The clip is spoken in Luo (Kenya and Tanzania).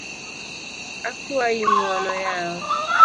Akuayi ng’uono yawa